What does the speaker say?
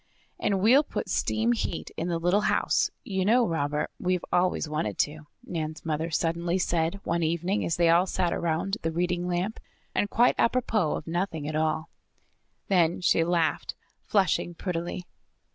"And we'll put steam heat in the little house. You know, Robert, we've always wanted to," Nan's mother suddenly said one evening as they all sat around the reading lamp, and quite apropos of nothing at all. Then she laughed, flushing prettily.